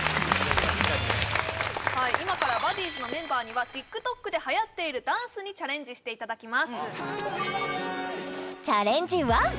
今からＢＵＤＤｉｉＳのメンバーにはＴｉｋＴｏｋで流行っているダンスにチャレンジしていただきますチャレンジ